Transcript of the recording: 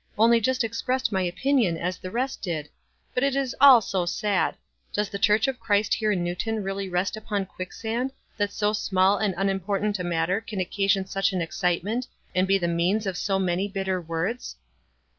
Only just expressed my opinion as the rest did. But it is all so sad. Does the church of Christ here in Newton really rest upon quick sand, that so small and unimportant a matter can occasion such an excitement, and be the means of so many bitter words?"